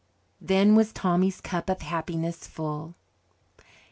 Then was Tommy's cup of happiness full.